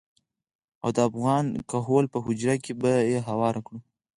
او د افغان کهول په حجره کې به يې هوار کړو.